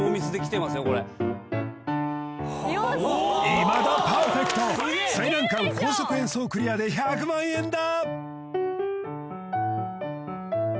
いまだパーフェクト最難関高速演奏クリアで１００万円だ